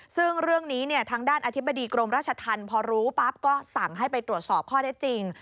ซึ่งเรื่องนี้เนี่ยทางด้านอธิบดีกรมราชธรรมพอรู้ปั๊บก็สั่งให้ไปตรวจสอบข้อได้จริง